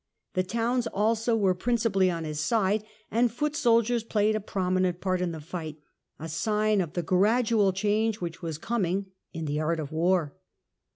The towns also were principally on his side and foot soldiers played a prominent part in the fight, a sign of the gradual change which was coming in the art of war.